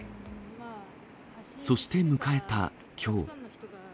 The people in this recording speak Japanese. そして迎えたきょう。